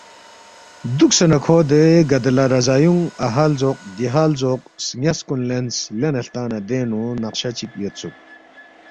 دُوکسے نہ کھو دے گدلا رضایُونگ اَہا لزوق دیہا لزوق سن٘یاس کُن لینس، لینے ہلتا نہ دینگ نُو نقشہ چِک یودسُوک